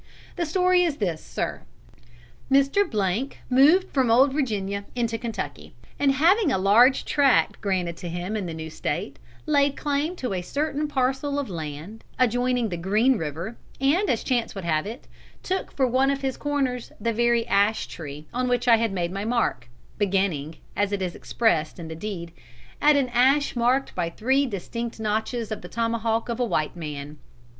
The story is this, sir: "'Mr. moved from Old Virginia into Kentucky, and having a large tract granted to him in the new State, laid claim to a certain parcel of land adjoining Green River, and, as chance would have it, took for one of his corners the very ash tree on which I had made my mark, beginning, as it is expressed in the deed, 'At an ash marked by three distinct notches of the tomahawk of a white man.'